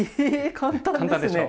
簡単でしょう？